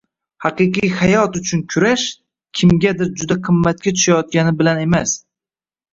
“Haqiqiy hayot” uchun kurash kimgadir juda qimmatga tushayotgani bilan emas